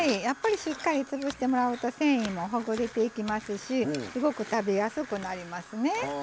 やっぱりしっかり潰してもらうと繊維もほぐれていきますしすごく食べやすくなりますね。